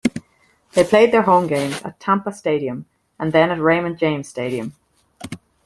They played their home games at Tampa Stadium and then at Raymond James Stadium.